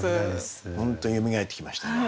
本当によみがえってきました。